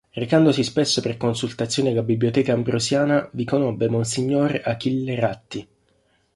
Recandosi spesso per consultazioni alla Biblioteca Ambrosiana, vi conobbe monsignor Achille Ratti.